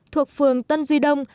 thuộc phường tân duy đông